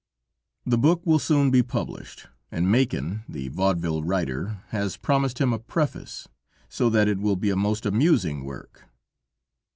The book will soon be published and Machin, the Vaudeville writer, has promised him a preface, so that it will be a most amusing work.